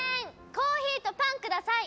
コーヒーとパン下さい！